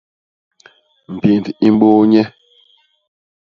Mbind i mbôô nye.